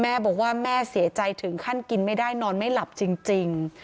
แม่บอกว่าแม่เสียใจถึงขั้นกินไม่ได้นอนไม่หลับจริง